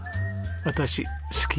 私好き。